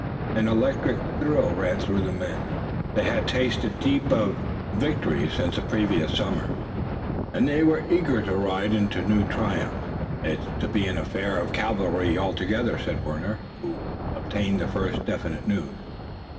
An electric thrill ran through the men. They had tasted deep of victory since the previous summer, and they were eager to ride to new triumphs. "It's to be an affair of cavalry altogether," said Warner, who obtained the first definite news.